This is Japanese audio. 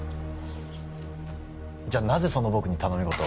じゃあなぜその僕に頼みごとを？